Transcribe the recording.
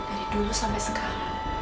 dari dulu sampe sekarang